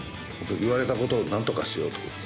言われたことをなんとかしようって。